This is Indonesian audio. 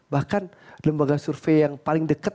bahkan lembaga survei yang paling dekat